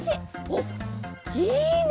おっいいね！